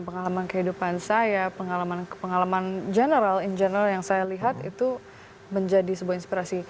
pengalaman kehidupan saya pengalaman general general yang saya lihat itu menjadi sebuah inspirasi